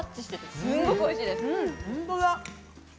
すごくおいしい！